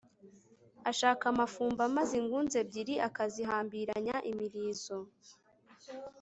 ashaka amafumba, maze ingunzu ebyiri akazihambiranya imirizo